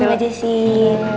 ya mbak jessy